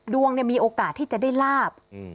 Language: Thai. มีโอกาสที่จะได้ลาบ